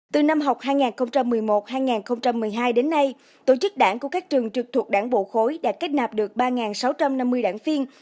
từ năm học hai nghìn một mươi một hai nghìn một mươi hai đến nay tổ chức đảng của các trường trực thuộc đảng bộ khối đã kết nạp được ba sáu trăm năm mươi đảng viên